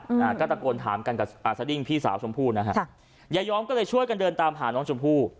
อ่าก็ตะโกนถามกันกับอ่าสดิ้งพี่สาวชมพู่นะฮะค่ะยายอมก็เลยช่วยกันเดินตามหาน้องชมพู่